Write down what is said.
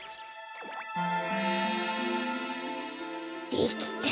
できた！